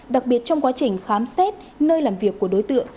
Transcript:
đặc biệt trong quá trình khám xét nơi làm việc của đối tượng